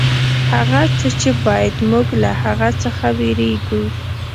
هغه څه چې باید موږ له هغه څخه وېرېږو.